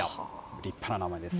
立派な名前です。